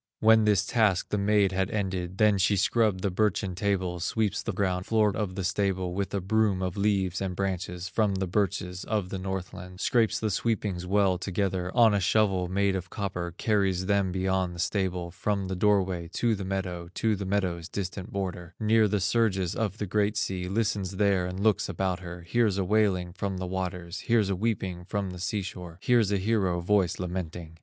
When this task the maid had ended, Then she scrubbed the birchen tables, Sweeps the ground floor of the stable, With a broom of leaves and branches From the birches of the Northland, Scrapes the sweepings well together On a shovel made of copper, Carries them beyond the stable, From the doorway to the meadow, To the meadow's distant border, Near the surges of the great sea, Listens there and looks about her, Hears a wailing from the waters, Hears a weeping from the sea shore, Hears a hero voice lamenting.